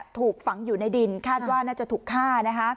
ถูกฝังอยู่ในดินคาดว่าน่าจะถูกฆ่า